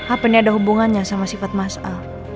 apa ini ada hubungannya sama sifat masal